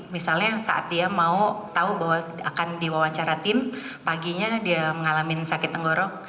misalnya saat dia mau tahu bahwa akan diwawancara tim paginya dia mengalami sakit tenggorok